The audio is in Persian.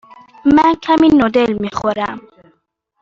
من کمی نودل می خورم.